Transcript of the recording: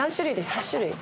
８種類？